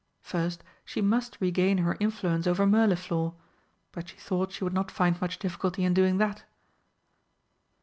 First she must regain her influence over Mirliflor, but she thought she would not find much difficulty in doing that.